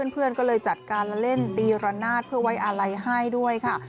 เพื่อนก็เลยจัดการเล่นตีระนาดเพื่อไว้อาลัยให้ด้วยค่ะ